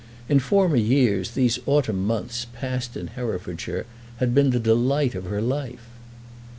In former years these autumn months, passed in Herefordshire, had been the delight of her life.